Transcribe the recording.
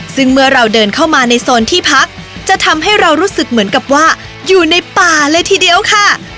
ซึ่งเมื่อเราเดินเข้ามาในโซนที่พักจะทำให้เรารู้สึกเหมือนกับว่าอยู่ในป่าเลยทีเดียวค่ะ